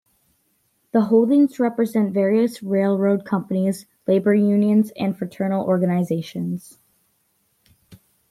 The holdings represent various railroad companies, labor unions, and fraternal organizations.